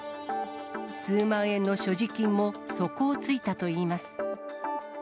数万円の所持金も底をついたといいます。